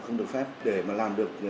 không được phép để mà làm được